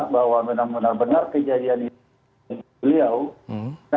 bahwa benar benar kejadian ini di rumah beliau